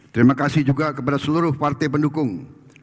terima kasih juga kepada seluruh partai pendukung